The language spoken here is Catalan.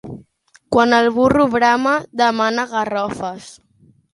Quan el burro brama, demana garrofes.